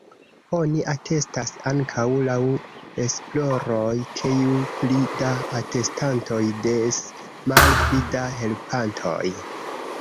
Oni atestas ankaŭ laŭ esploroj, ke ju pli da atestantoj, des malpli da helpantoj.